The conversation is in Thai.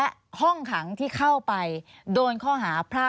ควิทยาลัยเชียร์สวัสดีครับ